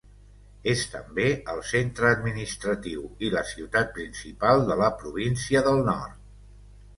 És també el centre administratiu i la ciutat principal de la província del Nord.